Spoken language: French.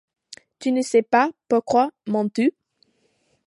Tu ne sais pas, pourquoi mens-tu?